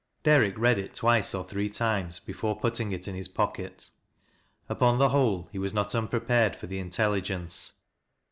Derrick read it twice or three times before putting it in his pocket. Upon the whole, he was not unprepared for the intelligence.